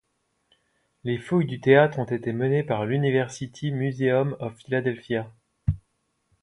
Les fouilles du théâtre ont été menées par l'University Museum of Philadelphia.